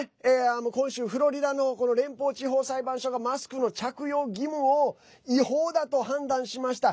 今週フロリダの連邦地方裁判所がマスクの着用義務を違法だと判断しました。